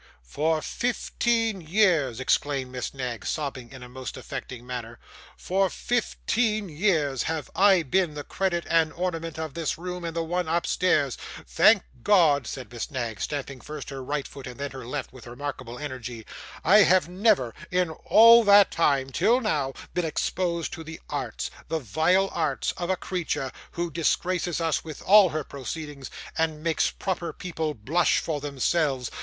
'For fifteen years,' exclaimed Miss Knag, sobbing in a most affecting manner, 'for fifteen years have I been the credit and ornament of this room and the one upstairs. Thank God,' said Miss Knag, stamping first her right foot and then her left with remarkable energy, 'I have never in all that time, till now, been exposed to the arts, the vile arts, of a creature, who disgraces us with all her proceedings, and makes proper people blush for themselves.